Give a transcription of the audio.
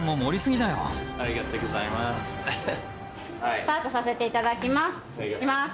スタートさせていただきます。